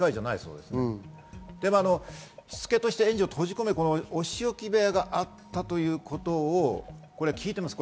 でも、しつけとして園児を閉じ込めるお仕置き部屋があったということを聞いてます。